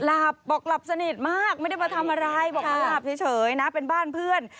หลับบอกหลับสนิทมากไม่ได้มาทำอะไรบอกมาหลับเฉยนะเป็นบ้านเพื่อน